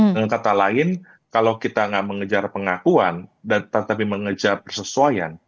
dengan kata lain kalau kita tidak mengejar pengakuan tetapi mengejar persesuaian